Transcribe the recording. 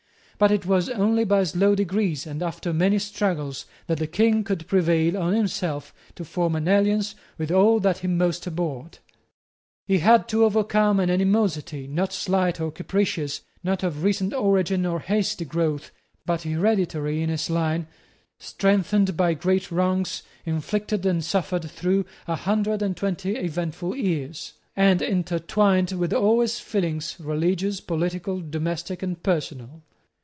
But it was only by slow degrees and after many struggles that the King could prevail on himself to form an alliance with all that he most abhorred. He had to overcome an animosity, not slight or capricious, not of recent origin or hasty growth, but hereditary in his line, strengthened by great wrongs inflicted and suffered through a hundred and twenty eventful years, and intertwined with all his feelings, religious, political, domestic, and personal.